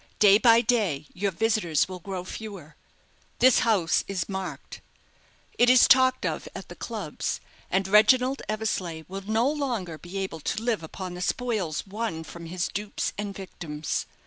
Day by day your visitors will grow fewer. This house is marked. It is talked of at the clubs; and Reginald Eversleigh will no longer be able to live upon the spoils won from his dupes and victims.